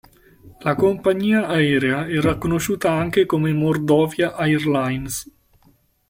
La compagnia aerea era conosciuta anche come Mordovia Airlines.